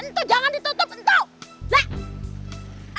entuk jangan ditutup entuk